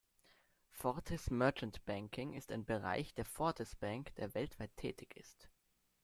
Fortis Merchant Banking ist ein Bereich der Fortis Bank, der weltweit tätig ist.